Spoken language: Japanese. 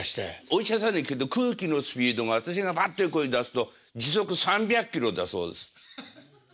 お医者さんに聞くと空気のスピードが私がバッていう声を出すと時速３００キロだそうです。